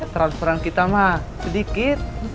transferan kita mah sedikit